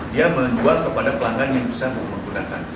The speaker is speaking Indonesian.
dia menjual kepada pelanggan yang bisa menggunakan